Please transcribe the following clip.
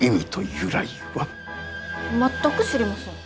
全く知りません。